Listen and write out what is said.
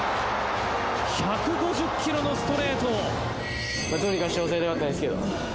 １５０キロのストレート。